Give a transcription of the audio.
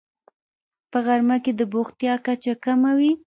په غرمه کې د بوختیا کچه کمه وي